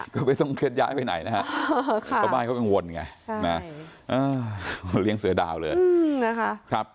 ก็ไม่ต้องเคลื่อนย้ายไปไหนนะฮะเพราะบ้านเขาเป็นวนไงใช่เลี้ยงเสือดาวเลยอืมนะคะครับ